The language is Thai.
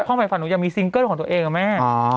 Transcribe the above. พ่อใหม่ฝันหนูยังมีซิงเกอร์ลของตัวเองอ่ะแม่